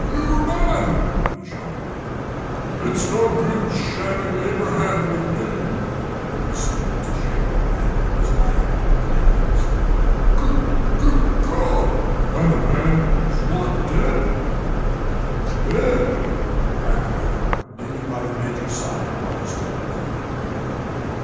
"You men!" he shouted again; "it's no good shamming Abraham with me!" He stooped to shake the man who was lying on the plank at his feet. "Good good God! The the man's not dead?" "Dead!" cried the governor, kneeling by the Major's side upon the stones.